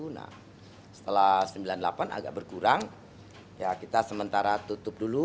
nah setelah sembilan puluh delapan agak berkurang ya kita sementara tutup dulu